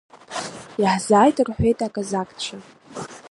Иаҳзааит, рҳәеит, аказакцәа.